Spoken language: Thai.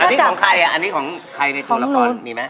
อันนี้ของใครอ่ะอันนี้ของใครในตัวละครมีไหม